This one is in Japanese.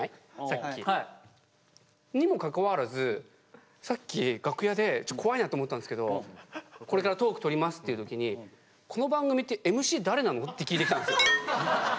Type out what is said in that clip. にもかかわらずさっき楽屋でちょっと怖いなと思ったんですけどこれからトーク撮りますっていう時に「この番組ってＭＣ誰なの？」って聞いてきたんですよ。